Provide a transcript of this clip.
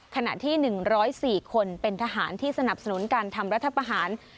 ขณะที่๑๐๔คนเป็นทหารที่สนับสนุนการทำรัฐประหาร